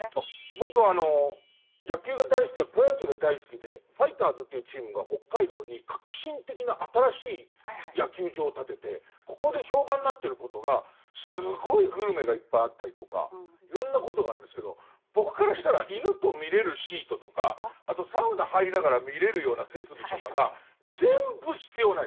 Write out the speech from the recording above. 僕は野球が大好きでプロ野球が大好きでファイターズというチームが北海道に革新的な新しい野球場を建ててここで評判になってることがすごいグルメがいっぱいあったりとかいろんなことがあるんですけど僕からしたら犬と見れるシートとかあとサウナ入りながら見れるような設備とかが全部必要ないんですもん。